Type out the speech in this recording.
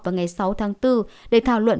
vào ngày sáu tháng bốn để thảo luận